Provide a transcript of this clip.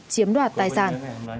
chiếm đoạt tài sản